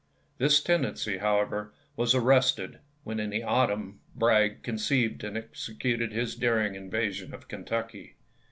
This ten dency, however, was arrested when in the autumn Bragg conceived and executed his daring invasion of Kentucky.